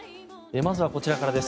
まずはこちらからです。